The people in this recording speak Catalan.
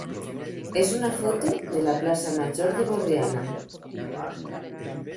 és una foto de la plaça major de Borriana.